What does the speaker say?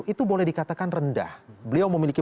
itu boleh dikatakan rendah beliau memiliki